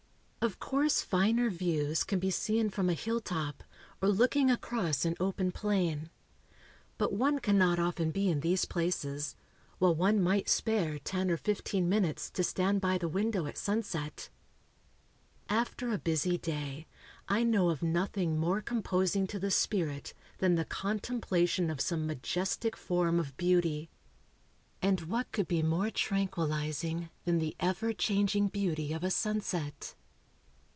Of course finer views can be seen from a hilltop, or looking across an open plain. But one cannot often be in these places, while one might spare ten or fifteen minutes to stand by the window at sunset? After a busy day, I know of nothing more composing to the spirit than the contemplation of some majestic form of beauty. And what could be more tranquillizing than the ever changing beauty of a sunset?